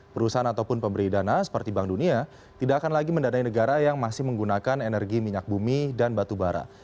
perusahaan ataupun pemberi dana seperti bank dunia tidak akan lagi mendanai negara yang masih menggunakan energi minyak bumi dan batu bara